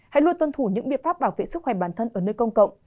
hãy luôn tuân thủ những biện pháp bảo vệ sức khỏe bản thân ở nơi công cộng